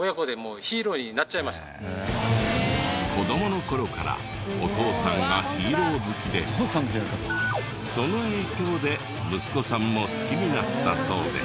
子どもの頃からお父さんがヒーロー好きでその影響で息子さんも好きになったそうで。